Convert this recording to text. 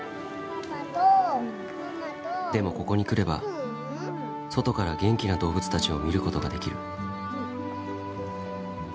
でも、ここに来れば外から元気な動物たちを見る事ができる。